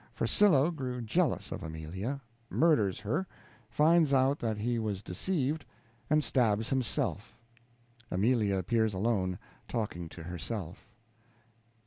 Farcillo grew jealous of Amelia, murders her, finds out that he was deceived, and stabs himself. Amelia appears alone, talking to herself.